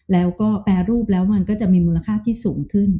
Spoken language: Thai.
แล้วก็แปรรูปแล้วมันก็จะมีมูลค่าที่สูงขึ้น